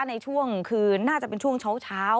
ในช่วงคืนน่าจะเป็นช่วงเช้า